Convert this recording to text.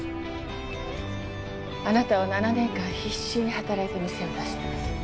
あなたは７年間必死に働いて店を出した。